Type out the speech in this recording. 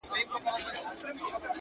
• رنګین الفاظ یې رخت و زېور دی ,